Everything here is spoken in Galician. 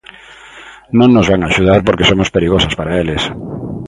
Non nos van axudar porque somos perigosas para eles.